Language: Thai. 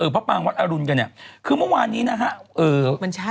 พระปางวัดอรุณกันเนี่ยคือเมื่อวานนี้นะฮะ